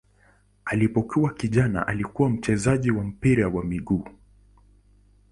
Alipokuwa kijana alikuwa mchezaji wa mpira wa miguu.